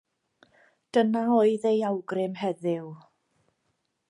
Dyna oedd ei awgrym heddiw.